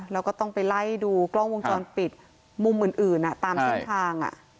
แล้วก็ต้องไปไล่ดูกล้องวงจรปิดมุมอื่นตามเส้นทาง